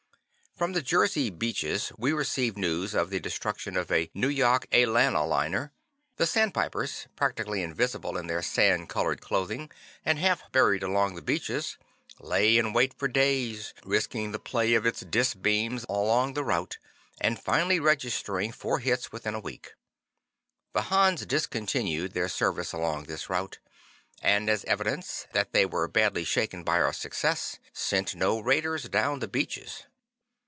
From the Jersey Beaches we received news of the destruction of a Nu yok A lan a liner. The Sand snipers, practically invisible in their sand colored clothing, and half buried along the beaches, lay in wait for days, risking the play of dis beams along the route, and finally registering four hits within a week. The Hans discontinued their service along this route, and as evidence that they were badly shaken by our success, sent no raiders down the Beaches.